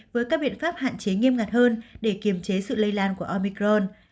với các biện pháp hạn chế nghiêm ngặt hơn để kiềm chế sự lây lan của omicron